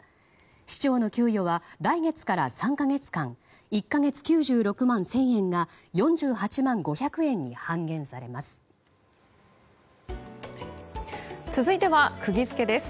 市長の給与は来月から３か月間１か月９６万３０００円が４８万５００円に半減されます。